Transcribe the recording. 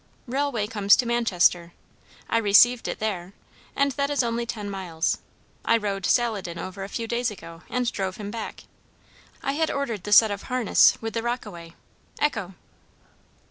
"Railway comes to Manchester. I received it there, and that is only ten miles. I rode Saladin over a few days ago, and drove him back. I had ordered the set of harness sent with the rockaway. Ecco!"